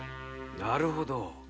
なるほど。